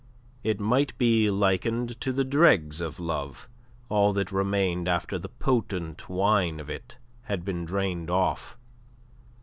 It might be likened to the dregs of love, all that remained after the potent wine of it had been drained off.